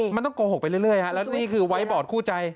มันต้องโกหกไปเรื่อยแล้วนี่คือไว้บอร์ดคู่ใจ